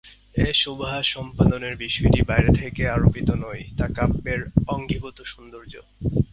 এ শোভা সম্পাদনের বিষয়টি বাইরে থেকে আরোপিত নয়, তা কাব্যের অঙ্গীভূত সৌন্দর্য।